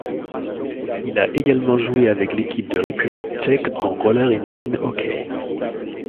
Il a également joué avec l'équipe de République tchèque en Roller in line hockey.